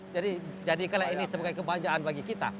jadi jadikanlah ini sebagai kebanjangan bagi kita